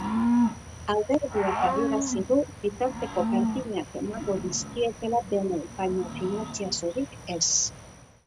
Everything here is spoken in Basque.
Alderdiak adierazi du bitarteko berdinak emango dizkietela denei, baina finantzaziorik ez.